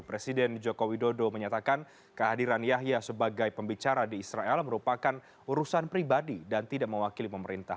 presiden joko widodo menyatakan kehadiran yahya sebagai pembicara di israel merupakan urusan pribadi dan tidak mewakili pemerintah